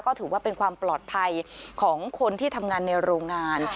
ก็ถือว่าเป็นความปลอดภัยของคนที่ทำงานในโรงงาน